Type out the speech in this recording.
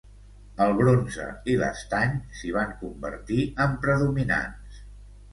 El bronze i l'estany s'hi van convertir en predominants.